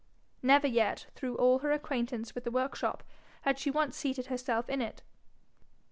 Never yet, through all her acquaintance with the workshop, had she once seated herself in it.